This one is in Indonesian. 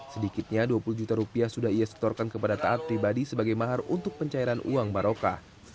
sedikitnya dua puluh juta rupiah sudah ia setorkan kepada taat pribadi sebagai mahar untuk pencairan uang baroka